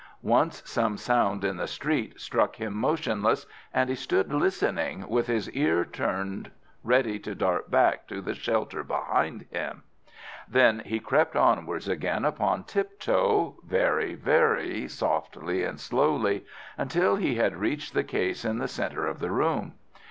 Once some sound in the street struck him motionless, and he stood listening, with his ear turned, ready to dart back to the shelter behind him. Then he crept onwards again upon tiptoe, very, very softly and slowly, until he had reached the case in the centre of the room.